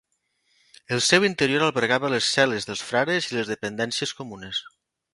El seu interior albergava les cel·les dels frares i les dependències comunes.